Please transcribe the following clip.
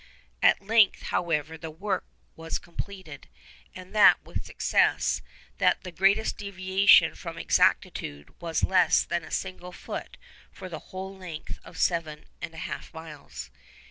At length, however, the work was completed, and that with such success that the greatest deviation from exactitude was less than a single foot for the whole length of seven and a half miles.